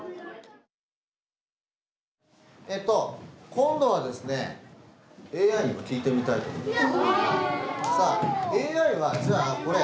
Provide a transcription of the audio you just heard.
今度はですね、ＡＩにも聞いてみたいと思います。